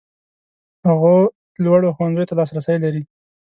هغوی لوړو ښوونځیو ته لاسرسی لري.